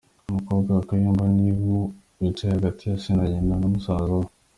Umukobwa wa Kayumba ni uwo wicaye hagati ya se na nyina na musaza we